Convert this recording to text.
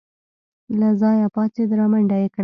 له ځايه پاڅېد رامنډه يې کړه.